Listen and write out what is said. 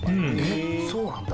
えっそうなんだ！